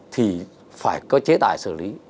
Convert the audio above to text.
thì phải có chế tài xử lý